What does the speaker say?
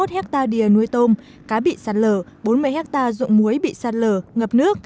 bảy mươi một hectare đìa nuôi tôm cá bị sạt lở bốn mươi hectare ruộng muối bị sạt lở ngập nước